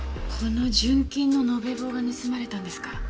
この純金の延べ棒が盗まれたんですか？